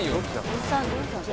「おじさんどうした？」